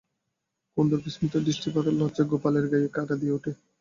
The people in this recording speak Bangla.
কুন্দর বিস্মিত দৃষ্টিপাতে লজ্জায় গোপালের গায়ে কাঁটা দিয়ে ওঠে।